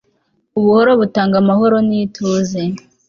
ubuhoro butanga amahoro n'ituze